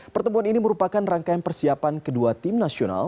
pertemuan ini merupakan rangkaian persiapan kedua tim nasional